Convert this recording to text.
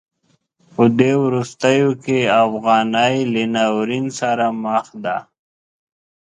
په دې وروستیو کې افغانۍ له ناورین سره مخ ده.